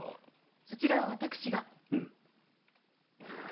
そちらは私が。